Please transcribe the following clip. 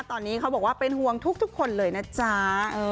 ตอนนี้เขาบอกว่าเป็นห่วงทุกคนเลยนะจ๊ะ